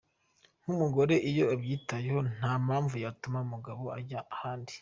Nk’umugore iyo ubyitayeho, nta mpamvu yatuma umugabo ajya ahandi.